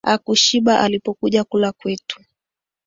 Hakushiba alipokuja kula kwetu